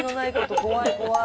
怖い怖い。